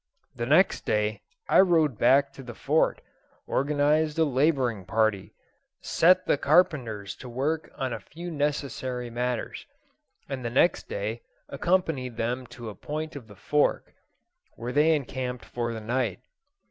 "The next day I rode back to the Fort, organised a labouring party, set the carpenters to work on a few necessary matters, and the next day accompanied them to a point of the Fork, where they encamped for the night.